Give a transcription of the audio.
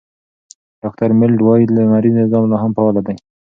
ډاکټر میلرډ وايي، لمریز نظام لا هم فعال دی.